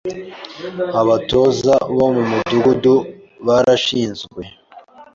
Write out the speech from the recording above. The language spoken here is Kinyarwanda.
Abatoza bo ku Mudugudu barashinzwe